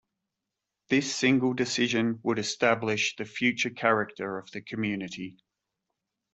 This single decision would establish the future character of the community.